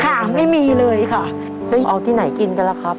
ไม่มีเลยค่ะได้เอาที่ไหนกินกันล่ะครับ